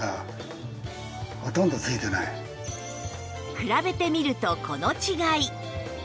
比べてみるとこの違い